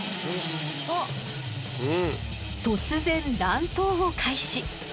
突然乱闘を開始。